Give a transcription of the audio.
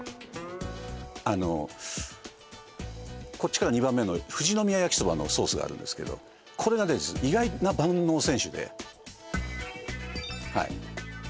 あのこっちから２番目の富士宮やきそばのソースがあるんですけどこれが意外な万能選手ではい